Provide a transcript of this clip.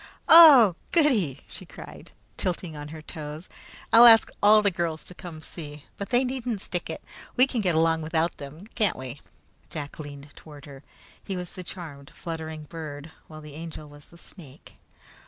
"Oh, goody!" she cried, tilting on her toes. "I'll ask all the girls to come see, but they needn't stick in! We can get along without them, can't we?" Jack leaned toward her. He was the charmed fluttering bird, while the Angel was the snake.